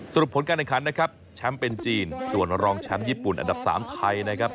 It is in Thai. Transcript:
ผลการแข่งขันนะครับแชมป์เป็นจีนส่วนรองแชมป์ญี่ปุ่นอันดับ๓ไทยนะครับ